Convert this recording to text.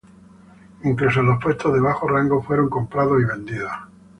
Incluso los puestos de bajo rango fueron comprados y vendidos.